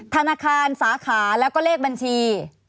ธนาคารสาขาแล้วก็เลขบัญชี